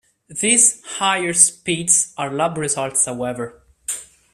These higher speeds are lab results, however.